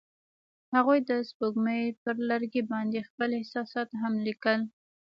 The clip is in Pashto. هغوی د سپوږمۍ پر لرګي باندې خپل احساسات هم لیکل.